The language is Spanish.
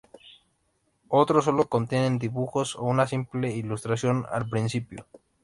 Otros solo contienen dibujos o una simple ilustración al principio.